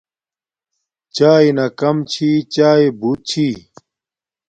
چایݵے نا کم چھی چایݵے بوت چھی